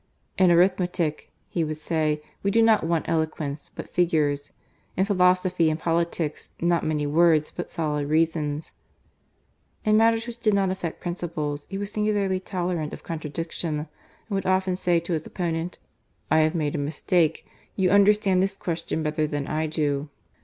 "In arithmetic," he would say, "we do not want eloquence, but figures : in philosophy and politics, not many words but soHd reasons." In matters which did not affect principles, he was singularly tolerant of contradiction, and would often say to his opponent :" I have made a mistake. You understand this question better than I do."